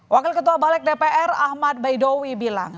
wakil ketua balik dpr ahmad baidowi bilang